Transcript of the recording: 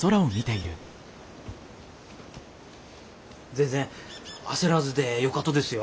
全然焦らずでよかとですよ。